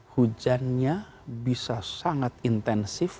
hujannya bisa sangat intensif